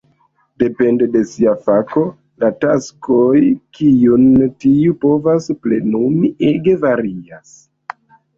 Depende de sia fako, la taskoj kiujn tiu povas plenumi ege varias.